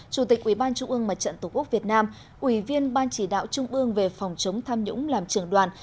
chủ tịch ubnd mặt trận tổ quốc việt nam ubnd ban chỉ đạo trung ương về phòng chống tham nhũng làm trưởng đoàn